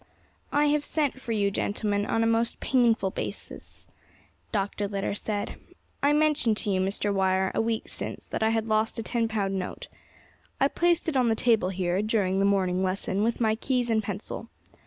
"I have sent for you, gentlemen, on a most painful business," Dr. Litter said. "I mentioned to you, Mr. Wire, a week since, that I had lost a ten pound note. I placed it on the table here, during the morning lesson, with my keys and pencil.